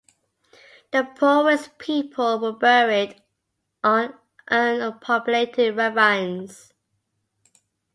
The poorest people were buried on unpopulated ravines.